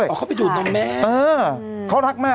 เป็นการกระตุ้นการไหลเวียนของเลือด